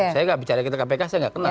saya gak bicara kita kpk saya gak kena